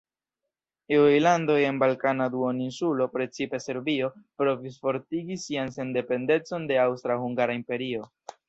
Iuj landoj en Balkana duoninsulo, precipe Serbio, provis fortigi sian sendependecon de Aŭstra-Hungara Imperio.